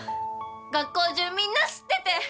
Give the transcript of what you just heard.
学校中みんな知ってて。